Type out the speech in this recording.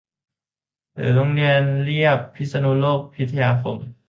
หรือโรงเรีบยพิษณุโลกพิทยาคม